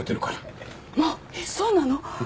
えっそうなの？